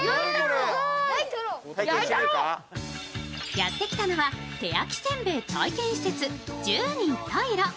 やってきたのは、手焼きせんべい体験施設十人十色。